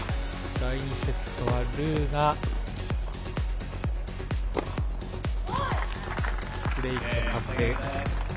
第２セットはルーがブレーク達成。